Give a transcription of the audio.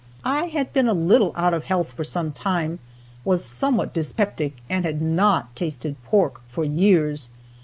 I had been a little out of health for some time, was somewhat dyspeptic, and had not tasted pork for years.